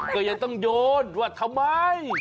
ก็ยังต้องโยนว่าทำไม